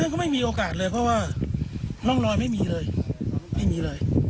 ก็ไม่มีโอกาสเลยเพราะว่าร่องรอยไม่มี